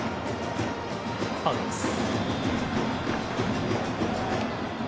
ファウルです。